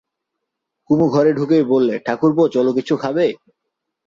কুমু ঘরে ঢুকেই বললে, ঠাকুরপো, চলো কিছু খাবে।